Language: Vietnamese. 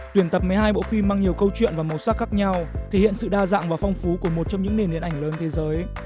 tuyển tập một mươi hai bộ phim mang nhiều câu chuyện và màu sắc khác nhau thể hiện sự đa dạng và phong phú của một trong những nền điện ảnh lớn thế giới